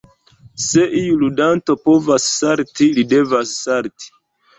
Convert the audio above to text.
Se iu ludanto povas salti li devas salti.